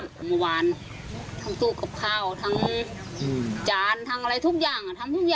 มาวานทั้งตู้กับข้าวทั้งจานทั้งอะไรทุกอย่างอะ